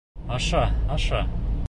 Аша, аша.